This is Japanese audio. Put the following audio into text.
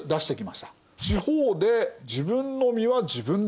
地方で「自分の身は自分で守る」。